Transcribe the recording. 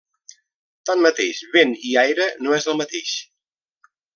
Tanmateix vent i aire no és el mateix.